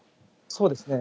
そうですね。